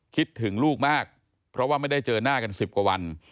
คิดถึงลูกมากเพราะว่าไม่ได้เจอหน้ากัน๑๐กว่าวัน